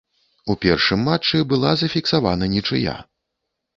У першым матчы была зафіксавана нічыя.